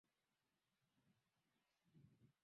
Jina hilo baadaye lilipewa Mto Mara na kuzaa mkoa wa Mara